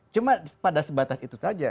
cuma pada sebatas itu saja